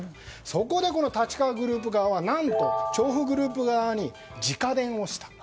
そこでこの立川グループ側は何と調布グループ側に直電をした。